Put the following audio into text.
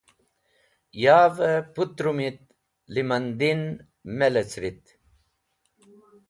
Yavẽ pũtrũmit lẽmandin me lecrit